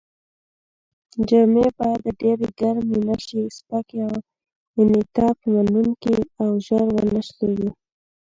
جامې باید ډېرې ګرمې نه شي، سپکې، انعطاف منوونکې او ژر و نه شلېږي.